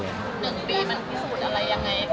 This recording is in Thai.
๑ปีมันพิสูจน์อะไรยังไงกับผู้เรามั้ย